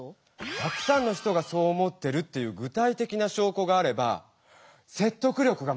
たくさんの人がそう思ってるっていうぐ体てきなしょうこがあれば説得力がますよね。